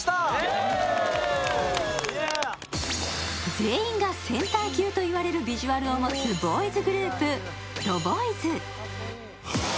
全員がセンター級といわれるビジュアルを持つボーイズグループ、ＴＨＥＢＯＹＳ。